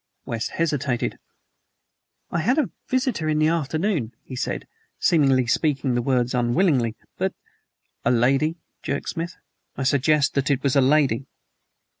West hesitated. "I had a visitor in the afternoon," he said, seemingly speaking the words unwillingly, "but " "A lady?" jerked Smith. "I suggest that it was a lady."